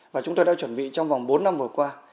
và chúng tôi đã chuẩn bị trong vòng bốn năm vừa qua